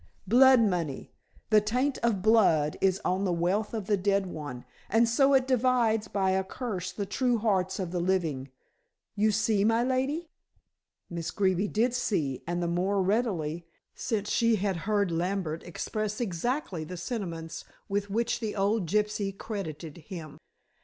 "Blood money. The taint of blood is on the wealth of the dead one, and so it divides by a curse the true hearts of the living. You see, my lady?" Miss Greeby did see, and the more readily, since she had heard Lambert express exactly the sentiments with which the old gypsy credited him.